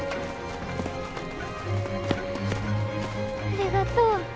ありがとう。